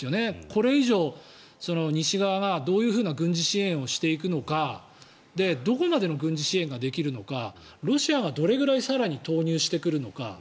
これ以上、西側がどういうふうな軍事支援をしていくのかどこまでの軍事支援ができるのかロシアがどれくらい更に投入してくるのか。